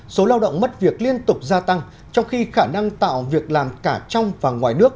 số lao động mất việc liên tục gia tăng trong khi khả năng tạo việc làm cả trong và ngoài nước